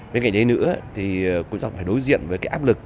bên cạnh đấy nữa thì chúng ta phải đối diện với cái áp lực